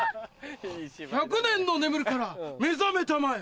１００年の眠りから目覚めたまえ！